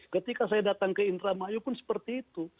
ketika saya datang ke indramayu pun seperti itu